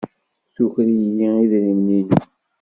Tuker-iyi idrimen-inu.